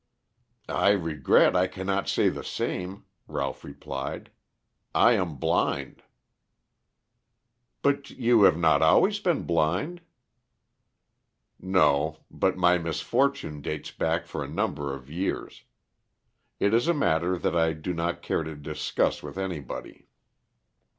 "I regret I cannot say the same," Ralph replied. "I am blind." "But you have not always been blind?" "No. But my misfortune dates back for a number of years. It is a matter that I do not care to discuss with anybody."